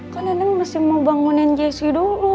kan neneng masih mau bangunin jessi dulu